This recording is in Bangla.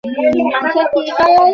সমস্ত দিনই তাঁহাকে বিঁধিতে লাগিল।